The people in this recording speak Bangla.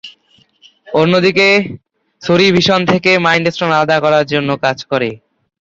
অন্যদিকে, সুরি ভিশন থেকে মাইন্ড স্টোন আলাদা করার জন্য কাজ করে।